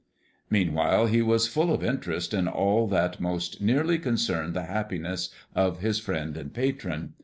Meanwhile he was full of interest in all that most nearly concerned the happiness of his friend and patron.